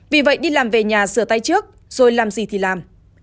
vì vậy đi làm về nhà sửa tay trước rồi làm gì thì làm